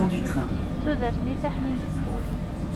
tudert-nni taḥnint n wul